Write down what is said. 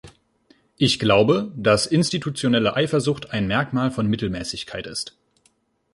Ich glaube, dass institutionelle Eifersucht ein Merkmal von Mittelmäßigkeit ist.